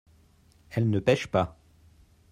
elle ne pêche pas.